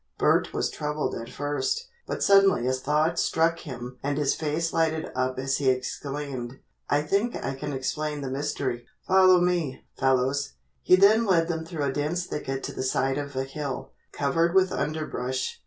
Bert was troubled at first, but suddenly a thought struck him and his face lighted up as he exclaimed: "I think I can explain the mystery. Follow me, fellows." He led them through a dense thicket to the side of a hill, covered with underbrush.